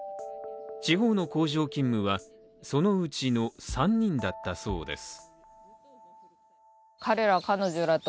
地方の工場勤務は、そのうちの３人だったそうです。